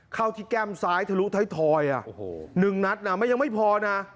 เข้าที่แก้มซ้ายทะลุท้ายทอย๑นัดยังไม่พอนะ